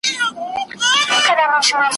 اوسېده په یوه کورکي له کلونو ,